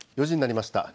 ４時になりました。